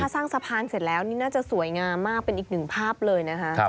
สร้างสะพานเสร็จแล้วนี่น่าจะสวยงามมากเป็นอีกหนึ่งภาพเลยนะคะ